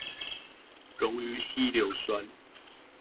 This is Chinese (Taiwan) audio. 溶於稀硫酸